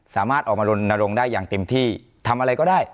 สามารถออกมารณรงค์ได้อย่างเต็มที่ทำอะไรก็ได้